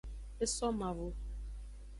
E so mavo.